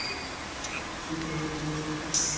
সত্যি করে বলো তো?